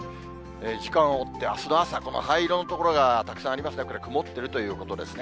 時間を追って、あすの朝、この灰色の所がたくさんありますね、これ、曇ってるということですね。